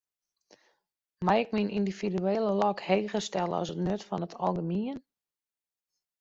Mei ik myn yndividuele lok heger stelle as it nut fan it algemien?